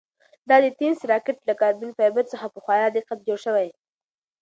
دا د تېنس راکټ له کاربن فایبر څخه په خورا دقت جوړ شوی.